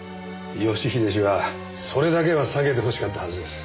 義英氏はそれだけは避けてほしかったはずです。